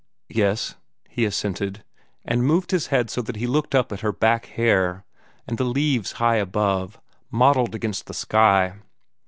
"Yes," he assented, and moved his head so that he looked up at her back hair, and the leaves high above, mottled against the sky.